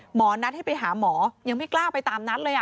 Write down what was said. หมอนัดให้ไปหาหมอยังไม่กล้าไปตามนัดเลย